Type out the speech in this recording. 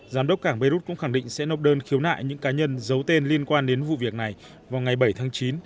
giám đốc cảng beirut cũng khẳng định sẽ nộp đơn khiếu nại những cá nhân giấu tên liên quan đến vụ việc này vào ngày bảy tháng chín